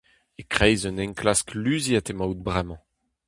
E-kreiz un enklask luziet emaout bremañ !